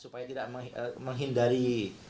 supaya tidak menghindari